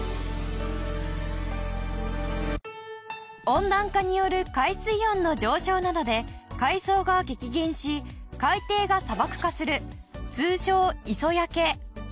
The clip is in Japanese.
温暖化による海水温の上昇などで海藻が激減し海底が砂漠化する通称磯焼け。